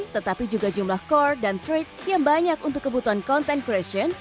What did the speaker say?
tetapi juga jumlah core dan trade yang banyak untuk kebutuhan content creation